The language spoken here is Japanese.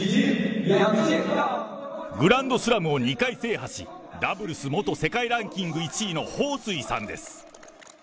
グランドスラムを２回制覇し、ダブルス元世界ランキング１位の彭帥さんです。